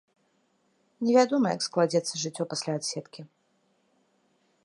Невядома, як складзецца жыццё пасля адседкі.